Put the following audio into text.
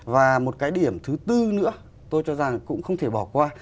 và một cái điểm thứ tư nữa tôi cho rằng cũng không thể bỏ qua